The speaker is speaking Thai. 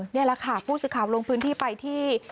นี่แหละค่ะผู้สื่อข่าวลงพื้นที่ไปที่